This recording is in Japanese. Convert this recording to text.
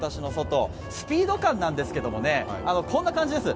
スピード感なんですけどもね、こんな感じです。